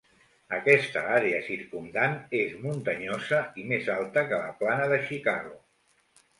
Aquesta àrea circumdant és muntanyosa i més alta que la plana de Chicago.